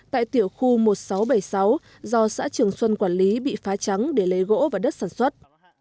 tại tiểu khu một nghìn sáu trăm bảy mươi sáu do xã trường xuân quản lý bị phá trắng để lấy gỗ và đất sản xuất